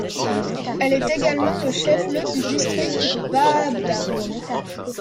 Elle est également le chef-lieu du District de Baabda.